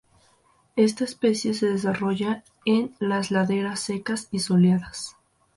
Esta especie se desarrolla en las laderas secas y soleadas.